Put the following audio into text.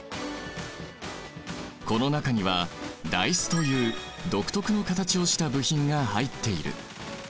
この中にはダイスという独特の形をした部品が入っている。